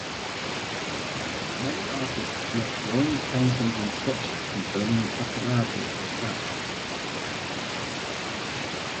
Many artists left drawings, paintings and sketches confirming the popularity of the sash.